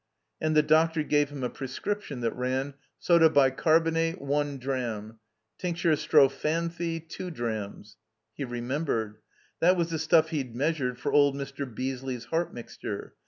And the doctor gave him a prescription that ran : Sodse Bicarb., one dram. Tinct. Strophanthi, two drams — He remembered. That was the stuff he'd meas ured for old Mr. Beasley's heart mixture.